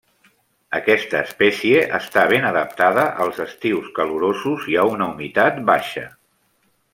Aquesta espècie està ben adaptada als estius calorosos i a una humitat baixa.